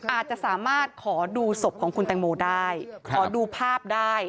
อาจจะสามารถขอดูศพของคุณแตงโมได้ขอดูภาพได้